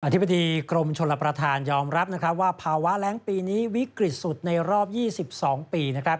อธิบดีกรมชนประธานยอมรับว่าภาวะแหลงปีนี้วิกฤตสุดในรอบ๒๒ปี